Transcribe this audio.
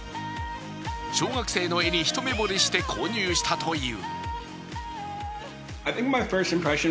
小学生の絵に一目ぼれして購入したという。